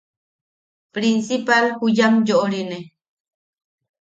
Prinsipal junam yoʼorine.